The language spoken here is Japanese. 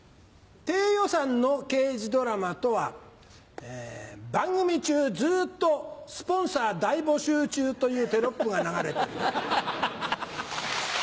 低予算の刑事ドラマとは番組中ずっとスポンサー大募集中というテロップが流れている。